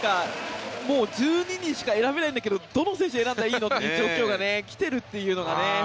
もう１２人しか選べないんだけどどの選手選んだらいいのという状況が来ているということが。